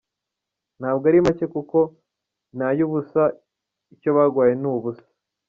Ntabwo ari make kuko ni ay’ ubusa, icyo baguhaye ni ubusa.